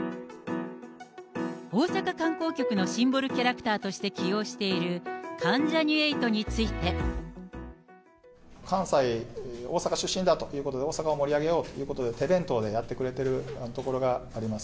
大阪観光局のシンボルキャラクターとして起用している、関ジャニ関西・大阪出身だということで、大阪を盛り上げようということで、手弁当でやってくれてるところがあります。